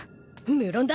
無論だ。